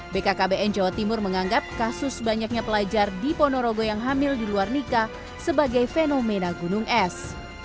bkkbn jawa timur menganggap kasus banyaknya pelajar di ponorogo yang hamil di luar nikah sebagai fenomena gunung es